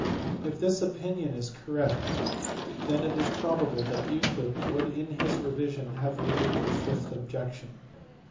If this opinion be correct, it is probable that Euclid would in his revision have removed the fifth objection.